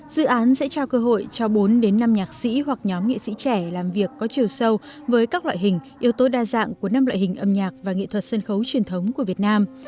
dự án sẽ trao cơ hội cho bốn đến năm nhạc sĩ hoặc nhóm nghệ sĩ trẻ làm việc có chiều sâu với các loại hình yếu tố đa dạng của năm loại hình âm nhạc và nghệ thuật sân khấu truyền thống của việt nam